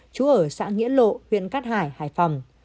trú ở xã nghĩa lộ huyện cát hải hải phòng